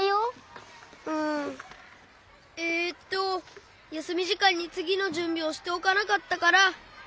えっとやすみじかんにつぎのじゅんびをしておかなかったから。